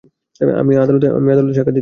আমি আদালতে সাক্ষ্য দিতে রাজী।